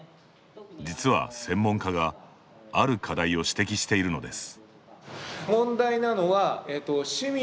実は、専門家がある課題を指摘しているのです。